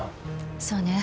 そうね。